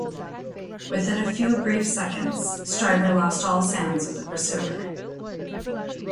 Within a few brief seconds, Striver lost all sounds of the pursuer.